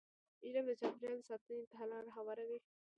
علم د چاپېریال ساتنې ته لاره هواروي.